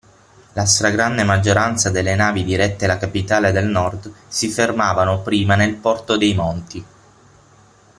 La stragrande maggioranza delle navi dirette alla capitale del nord si fermavano prima nel porto dei Monti.